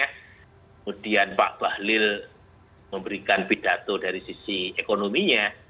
kemudian pak bahlil memberikan pidato dari sisi ekonominya